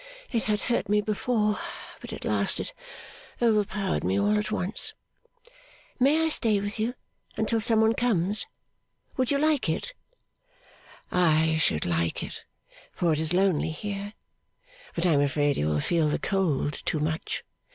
It had hurt me before; but at last it overpowered me all at once.' 'May I stay with you until some one comes? Would you like it?' 'I should like it, for it is lonely here; but I am afraid you will feel the cold too much.